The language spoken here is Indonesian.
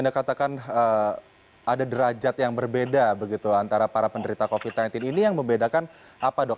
anda katakan ada derajat yang berbeda begitu antara para penderita covid sembilan belas ini yang membedakan apa dok